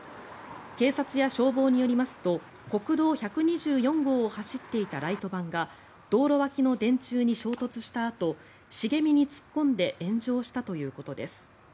警察や消防によりますと国道１２４号を走っていたライトバンが道路脇の電柱に衝突したあと茂みに突っ込んで炎上したということです。